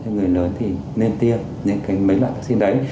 người lớn thì nên tiêm những cái mấy loại vaccine đấy